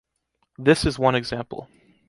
This is one example.